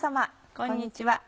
こんにちは。